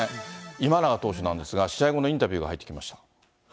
今永投手なんですが、試合後のインタビューが入ってきました。